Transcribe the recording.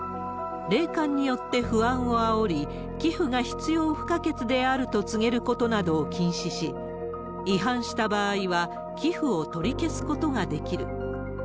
霊感によって不安をあおり、寄付が必要不可欠であると告げることなどを禁止し、違反した場合は寄付を取り消すことができる。